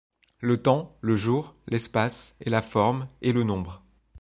Le temps, le jour, l'espace, et la forme, et le nombre